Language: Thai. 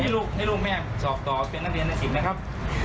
นี่ลูกแม่สอบต่อเป็นนักเรียนในศิลป์นะครับ